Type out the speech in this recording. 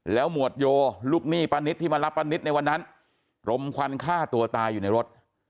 หมวดโยลูกหนี้ป้านิตที่มารับป้านิตในวันนั้นรมควันฆ่าตัวตายอยู่ในรถ